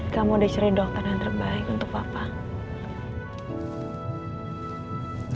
kamu udah cari dokter yang terbaik untuk papa